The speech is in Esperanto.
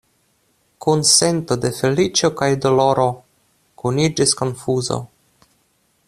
Kun sento de feliĉo kaj doloro kuniĝis konfuzo.